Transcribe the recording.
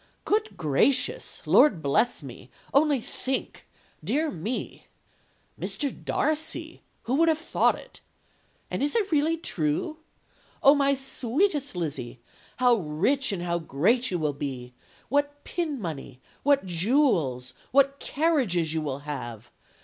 "'Good gracious! Lord bless me! only think! dear me! Mr. Darcy! Who would have thought it! And it is really true? Oh, my sweetest Lizzy! how rich and how great you will be! What pin money, what jewels, what carriages you will have!